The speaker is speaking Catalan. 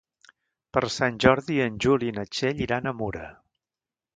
Per Sant Jordi en Juli i na Txell iran a Mura.